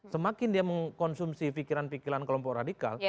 semakin dia mengkonsumsi pikiran pikiran kelompok radikal